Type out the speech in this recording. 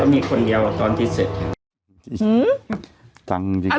ก็มีคนเดียวอะตอนที่เศษ